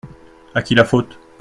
À qui la faute ?